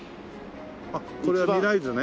あっこれは未来図ね？